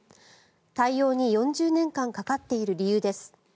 対応に４０年間かかっている理由です。